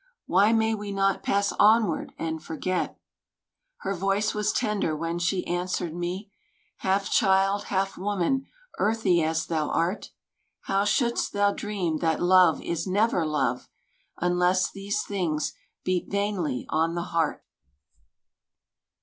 Why may we not pass onward and forget?" Her voice was tender when she answered me: "Half child, half woman, earthy as thou art, How should'st thou dream that Love is never Love Unless these things beat vainly on the heart?"